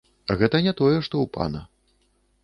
Гэта не тое што ў пана.